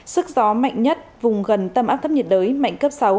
sức gió mạnh nhất vùng gần tâm áp thấp nhiệt đới mạnh cấp sáu